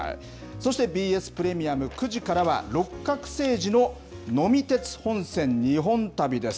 そしてＢＳプレミアム、９時からは六角精児の呑み鉄本線・日本旅です。